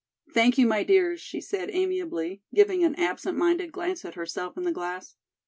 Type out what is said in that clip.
"Thank you, my dears," she said amiably, giving an absent minded glance at herself in the glass.